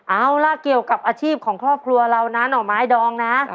เอาล่ะเกี่ยวกับอาชีพของครอบครัวเรานะหน่อไม้ดองนะ